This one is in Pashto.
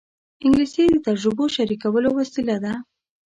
انګلیسي د تجربو شریکولو وسیله ده